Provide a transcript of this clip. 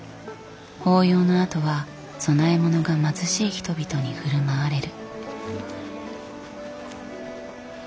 法要のあとは供え物が貧しい人々に振る舞われる。